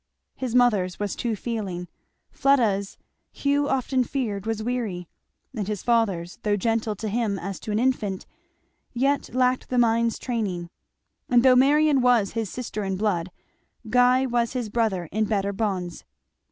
His mother's was too feeling; Fleda's Hugh often feared was weary; and his father's, though gentle to him as to an infant, yet lacked the mind's training. And though Marion was his sister in blood, Guy was his brother in better bonds.